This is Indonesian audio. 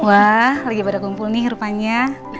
wah lagi pada kumpul nih rupanya